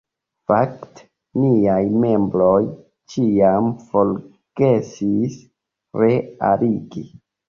Fakte niaj membroj ĉiam forgesis re-aliĝi.